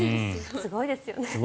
すごいですよね。